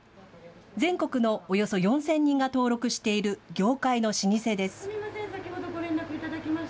全国のおよそ４０００人が登録している業界の老舗です。